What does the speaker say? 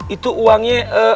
itu uangnya ee